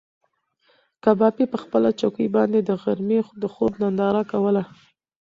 کبابي په خپله چوکۍ باندې د غرمې د خوب ننداره کوله.